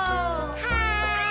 はい！